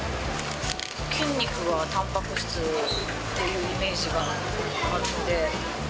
筋肉はたんぱく質っていうイメージがあるので。